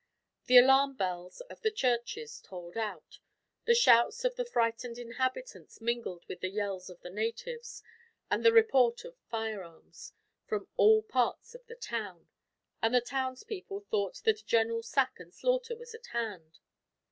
The alarm bells of the churches tolled out, the shouts of the frightened inhabitants mingled with the yells of the natives, and the report of firearms, from all parts of the town; and the townspeople thought that a general sack and slaughter was at hand.